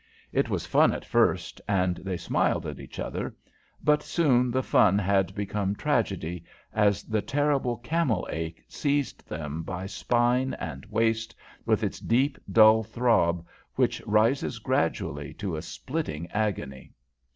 It was fun at first, and they smiled at each other, but soon the fun had become tragedy as the terrible camel ache seized them by spine and waist, with its deep, dull throb, which rises gradually to a splitting agony.